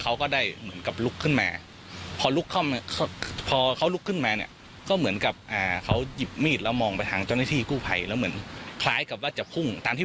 เขามาทำร้ายเจ้าหน้าที่